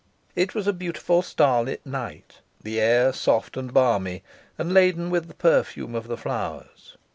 It was a beautiful, starlight night; the air soft and balmy, and laden with the perfume of the flowers.